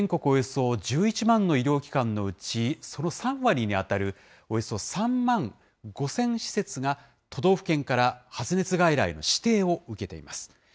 およそ１１万の医療機関のうちその３割に当たる、およそ３万５０００施設が、都道府県から発熱外来の指定を受けています。